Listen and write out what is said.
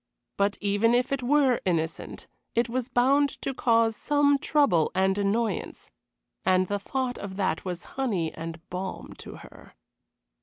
But even if it were innocent, it was bound to cause some trouble and annoyance; and the thought of that was honey and balm to her.